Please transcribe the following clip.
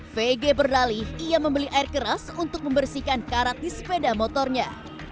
vg berdalih ia membeli air keras untuk membersihkan karat di sepeda motornya